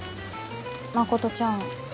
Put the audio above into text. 真ちゃん。